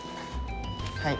はい。